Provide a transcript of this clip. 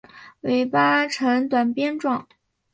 尾巴呈短鞭状。